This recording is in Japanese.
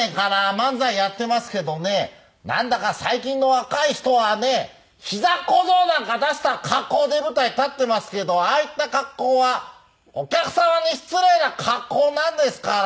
なんだか最近の若い人はねひざ小僧なんか出した格好で舞台立ってますけどああいった格好はお客様に失礼な格好なんですからね。